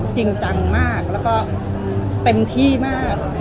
จริงจังมากแล้วก็เต็มที่มาก